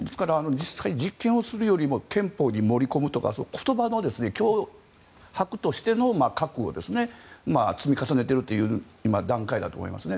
実際、実験をするよりも憲法に盛り込むとか言葉の脅迫としての核を積み重ねているという段階だと思いますね。